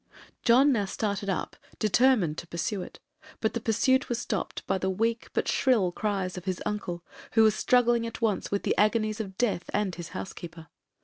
John now started up, determined to pursue it; but the pursuit was stopped by the weak but shrill cries of his uncle, who was struggling at once with the agonies of death and his housekeeper.